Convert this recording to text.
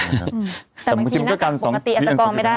แต่มาทีเหมือนกับปกติอาจจะกองไม่ได้